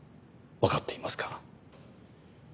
わかっていますか？